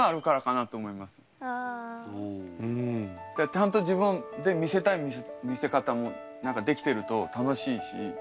ちゃんと自分で見せたい見せ方もできてると楽しいし。